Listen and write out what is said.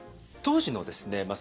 当時のですね